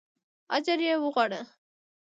اجر یې غواړه.